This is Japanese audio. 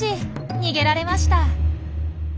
逃げられました。